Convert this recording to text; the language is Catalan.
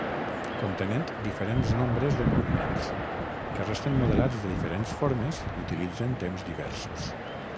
Contenent diferents nombres de moviments, que resten modelats de diferents formes i utilitzen temps diversos.